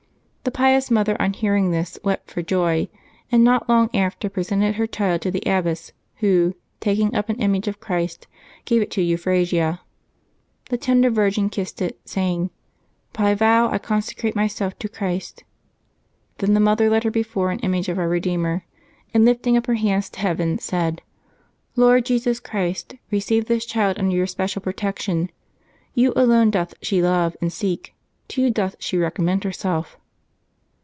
The pious mother on hearing this wept for joy, and not long after presented her child to the abbess, who, taking up an image of Christ, gave it to Euphrasia. The tender virgin kissed it, saying, " By vow I consecrate myself to Christ." Then the mother led her before an image of Our Eedeemer, and lifting up her hands to heaven said, "Lord Jesus Christ, receive this child under your special protection. You alone doth she love and seek: to you doth she recommend herself."